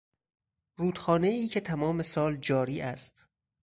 رودخانهای که تمام سال جاری است